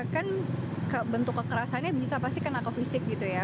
kan bentuk kekerasannya bisa pasti kena ke fisik gitu ya